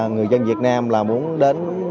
người dân việt nam muốn đến